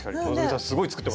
すごい作ってましたね。